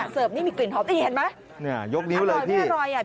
เสิร์ฟนี้มีกลิ่นหอมนี่เห็นไหม